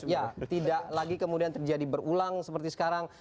ya tidak lagi kemudian terjadi berulang seperti sekarang